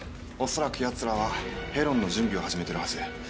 恐らくやつらはヘロンの準備を始めてるはず。